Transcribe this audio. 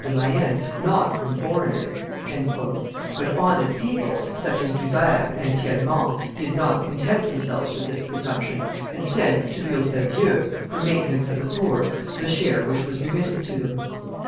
de Mayenne, not from foreigners; "but honest people, such as Du Vair and Thielement, did not content themselves with this presumption, and sent to the Hotel Dieu, for maintenance of the poor, the share which was remitted to them.